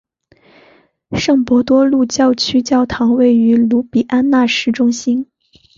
圣伯多禄教区教堂位于卢比安纳市中心。